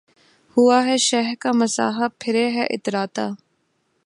ہوا ہے شہہ کا مصاحب پھرے ہے اتراتا